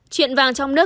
chuyện vàng trong nước